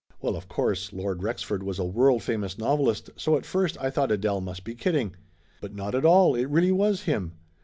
Well, of course, Lord Rexford was a world famous novelist, so at first I thought Adele must be kidding. But not at all, it really was him.